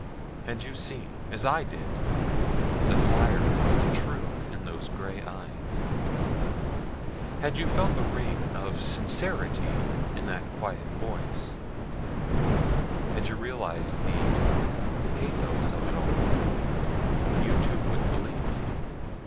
Had you seen, as I did, the fire of truth in those gray eyes; had you felt the ring of sincerity in that quiet voice; had you realized the pathos of it all you, too, would believe.